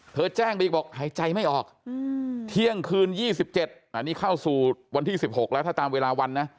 แจ้งไปอีกบอกหายใจไม่ออกเที่ยงคืน๒๗อันนี้เข้าสู่วันที่๑๖แล้วถ้าตามเวลาวันนะ